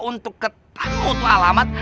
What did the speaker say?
untuk ketemu tuh alamat